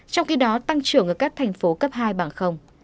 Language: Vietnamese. trong khi đó tăng trưởng ở các thành phố cấp hai bằng